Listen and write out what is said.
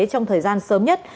trong thời gian sớm nhất